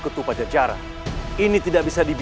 ketika kalimantan sudah dikawasi